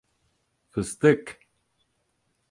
Fıstık!